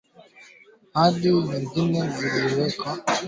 hadi Uingereza kwa nia ya kumtoa figo ya kuisadia binti yao